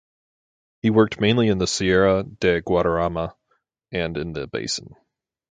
He worked mainly in the Sierra de Guadarrama and in the basin.